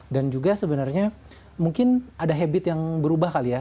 dan juga sebenarnya mungkin ada habit yang berubah kali ya